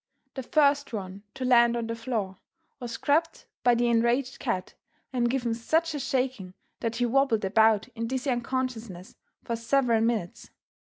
The first one to land on the floor was grabbed by the enraged cat and given such a shaking that he wobbled about in dizzy unconsciousness for several minutes.